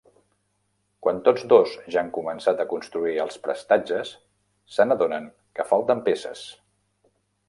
Quan tots dos ja han començat a construir els prestatges, se n'adonen que falten peces.